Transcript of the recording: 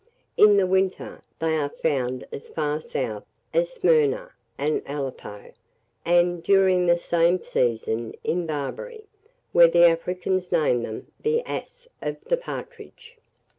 In the winter, they are found as far south as Smyrna and Aleppo, and, during the same season, in Barbary, where the Africans name them "the ass of the partridge."